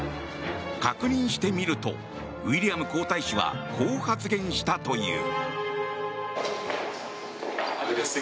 確認してみるとウィリアム皇太子はこう発言したという。